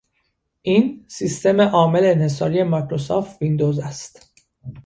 این، سیستمعامل انحصاری مایکروسافت ویندوز است